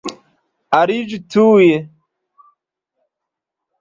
Aliĝu tuj!